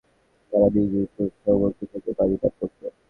তারা নিজ নিজ প্রস্রবণ থেকে পানি পান করতো।